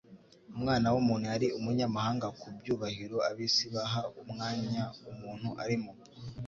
Umwana w'umuntu yari umunyamahanga ku byubahiro ab'isi baha umwanya umuntu arimo,